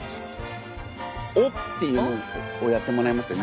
「お」っていうのをやってもらえますか？